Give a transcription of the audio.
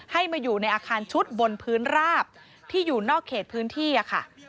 ให้มาอยู่ในอาคารชุดบนพื้นราบที่อยู่นอกเขตพื้นที่ค่ะ